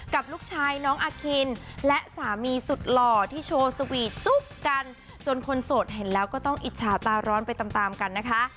กับลูกชายน้องอาคินและสามีสุดหล่อที่โชว์สวีทจุ๊บกันจนคนโสดเห็นแล้วก็ต้องอิจฉาตาร้อนไปตามตามกันนะคะ